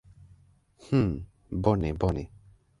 Hm, bone bone.